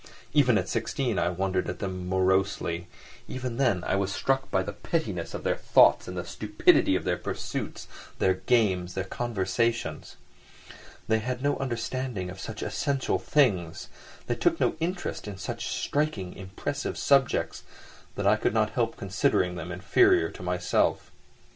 Even at sixteen I wondered at them morosely; even then I was struck by the pettiness of their thoughts, the stupidity of their pursuits, their games, their conversations. They had no understanding of such essential things, they took no interest in such striking, impressive subjects, that I could not help considering them inferior to myself.